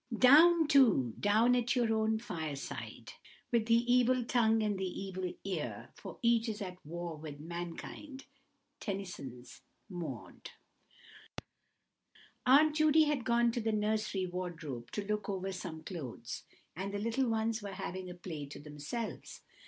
"Down too, down at your own fireside, With the evil tongue and the evil ear, For each is at war with mankind." TENNYSON'S Maud. AUNT JUDY had gone to the nursery wardrobe to look over some clothes, and the little ones were having a play to themselves.